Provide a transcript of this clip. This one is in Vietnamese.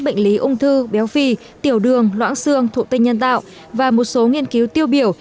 bệnh lý ung thư béo phì tiểu đường loãng xương thụ tinh nhân tạo và một số nghiên cứu tiêu biểu